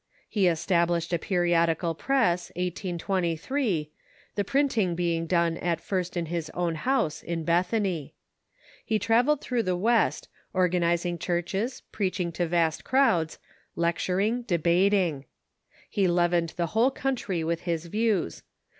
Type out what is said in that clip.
He established a periodical iiress, 1823, the printinsf beino; done at first in his Later Life J '' i o a own house at Bethany. He travelled through the West, organizing churches, preaching to vast crowds, lectur ing, debating. He leavened the whole country with his views.